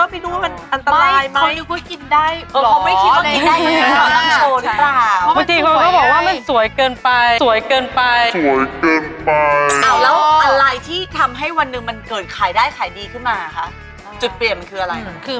มันเกิดขายได้ขายดีขึ้นมานะคะจุดเปลี่ยนมันคืออะไร